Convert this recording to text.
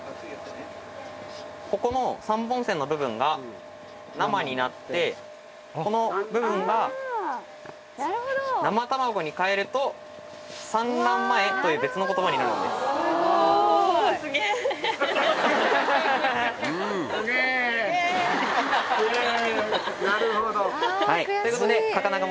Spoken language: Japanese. ここの３本線の部分が「生」になってこの部分が「生卵」に変えると「産卵前」という別の言葉になるんです。ということで。